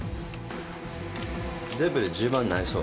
全部で１０万になりそう？